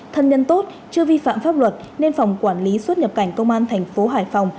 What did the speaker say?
thân nhân tốt chưa vi phạm pháp luật nên phòng quản lý xuất nhập cảnh công an thành phố hải phòng